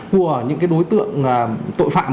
của những cái đối tượng tội phạm